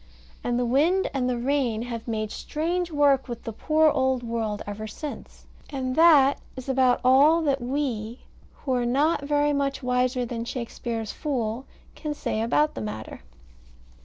And the wind and the rain have made strange work with the poor old world ever since. And that is about all that we, who are not very much wiser than Shakespeare's fool, can say about the matter.